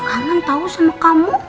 kangen tau sama kamu